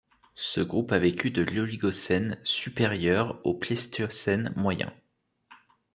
Ce groupe a vécu de l'Oligocène supérieur au Pléistocène moyen.